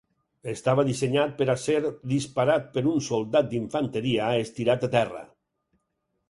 Estava dissenyat per a ser disparat per un soldat d'infanteria estirat a terra.